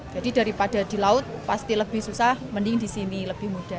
daripada di laut pasti lebih susah mending di sini lebih mudah